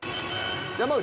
山内。